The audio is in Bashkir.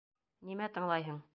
Нимә тыңлайһың?